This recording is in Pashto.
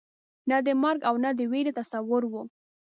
نه د مرګ او نه د وېرې تصور وو.